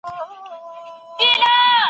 له شتمنو څخه د مرستې غوښتنه کول قانوني حق دی.